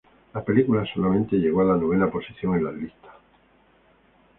La película solamente llegó a la novena posición en las listas.